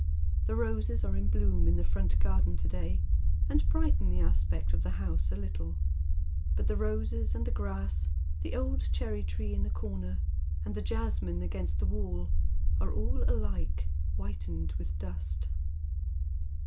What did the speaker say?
The roses are in bloom in the front garden to day, and brighten the aspect of the house a little, but the roses and the grass, the old cherry tree in the comer, and the jessamine against the wall are all alike whitened with dust.